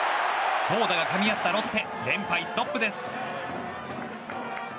投打がかみ合ったロッテ連敗ストップです。